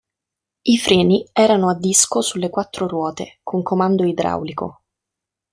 I freni erano a disco sulle quattro ruote con comando idraulico.